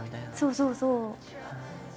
そうそうそう。